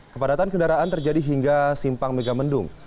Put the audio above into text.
kepadatan kendaraan terjadi hingga simpang megamendung